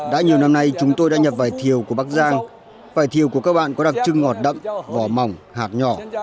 đã nhiều năm nay chúng tôi đã nhập vải thiều của bắc giang vải thiều của các bạn có đặc trưng ngọt đậm vỏ mỏng hạt nhỏ